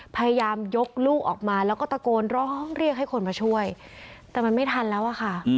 พยายามยกลูกออกมาแล้วก็ตะโกนร้องเรียกให้คนมาช่วยแต่มันไม่ทันแล้วอะค่ะ